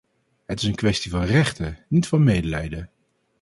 Het is een kwestie van rechten, niet van medelijden.